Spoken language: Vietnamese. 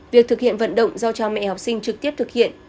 việc thực hiện vận động do cha mẹ học sinh trực tiếp thực hiện